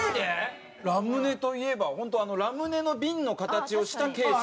ラムネといえばホントラムネの瓶の形をしたケースのやつ。